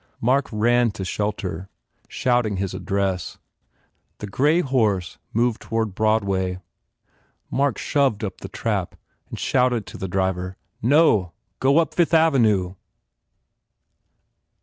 Mark ran to shelter, crying his address. The grey horse moved toward Broad way. Mark shoved up the trap and shouted to the driver, "No! Go up Fifth Avenue!"